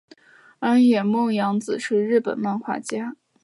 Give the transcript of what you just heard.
安野梦洋子是日本漫画家。